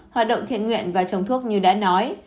hoạt động thiện nguyện và chống thuốc như đã nói